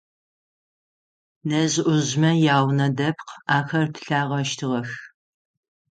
Нэжъ-ӏужъмэ яунэ дэпкъ ахэр пылъагъэщтыгъэх.